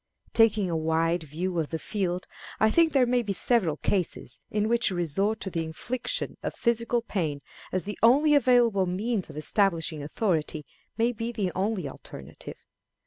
Taking a wide view of the field, I think there may be several cases in which a resort to the infliction of physical pain as the only available means of establishing authority may be the only alternative.